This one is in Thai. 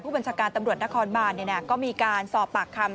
บัญชาการตำรวจนครบานก็มีการสอบปากคำ